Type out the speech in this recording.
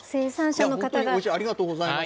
ありがとうございます。